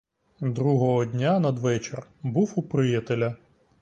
Другого дня надвечір був у приятеля.